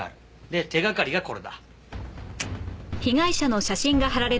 で手掛かりがこれだ。